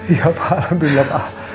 iya pak alhamdulillah pak